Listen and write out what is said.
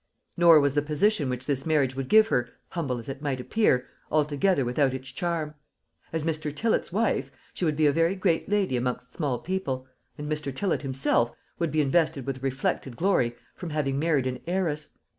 Nor was the position which this marriage would give her, humble as it might appear, altogether without its charm. As Mr. Tillott's wife, she would be a very great lady amongst small people; and Mr. Tillott himself would be invested with a reflected glory from having married an heiress.